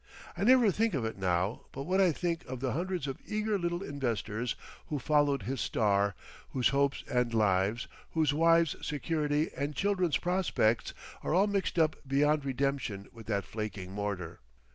I never think of it now but what I think of the hundreds of eager little investors who followed his "star," whose hopes and lives, whose wives' security and children's prospects are all mixed up beyond redemption with that flaking mortar....